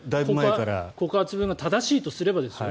告発文が正しいとすればですよ。